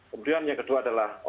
kemudian yang kedua adalah